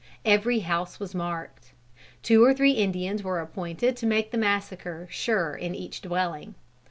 Every house was marked. Two or three Indians were appointed to make the massacre sure in each dwelling.